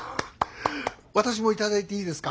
私も頂いていいですか？